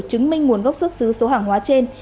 chứng minh nguồn gốc xuất xứ số hàng hóa trên